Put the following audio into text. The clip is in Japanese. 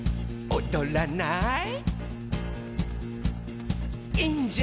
「おどらない？」